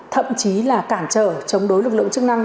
thậm chí là cản trở chống đối lực lượng chức năng